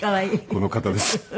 この方です。